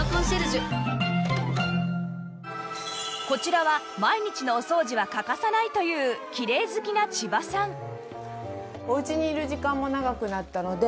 こちらは毎日のお掃除は欠かさないというきれい好きな千葉さん